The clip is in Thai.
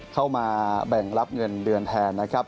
เข้ามาแบ่งรับเงินเดือนแทนนะครับ